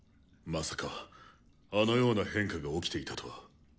まさかあのような変化が起きていたとは。